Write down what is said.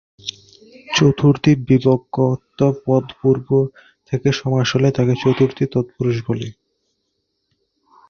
চতুর্থী-বিভক্ত্যন্ত পদ পূর্বে থেকে সমাস হলে, তাকে চতুর্থী-তৎপুরুষ বলে।